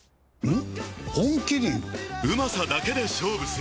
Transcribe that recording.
ん？